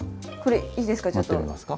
いいですか？